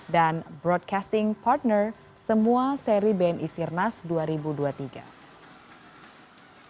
dan broadcasting partner semua seri bni sirkuit nasional dua ribu dua puluh tiga